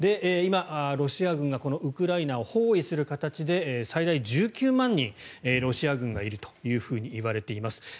今、ロシア軍がウクライナを包囲する形で最大１９万人、ロシア軍がいるといわれています。